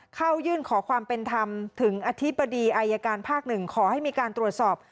เข้ายื่นขอความเป็นธรรมถึงอธิบดีอายการภาคหนึ่งขอให้มีการตรวจสอบ